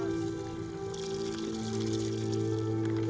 rayo tanah mungkin buck